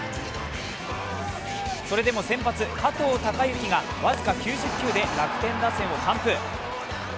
それでも先発・加藤貴之が僅か９０球で楽天打線を完封。